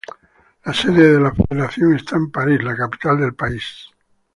La sede de la federación está en París, la capital del país.